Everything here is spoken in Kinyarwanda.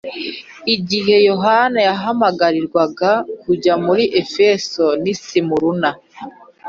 Igihe Yohana yahamagarirwaga kujya muri Efeso n’i Simuruna